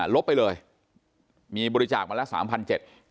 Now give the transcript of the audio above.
ลบไปเลยมีบริจาคมาละ๓๗๐๐บาท